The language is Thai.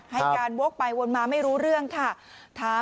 ให้การวกไปวนมาไม่รู้เรื่องค่ะ